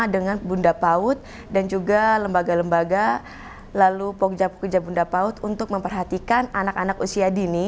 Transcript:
dengan bunda paut dan juga lembaga lembaga lalu pogja pokja bunda paut untuk memperhatikan anak anak usia dini